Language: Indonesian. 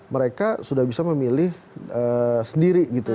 mereka sudah bisa memilih sendiri gitu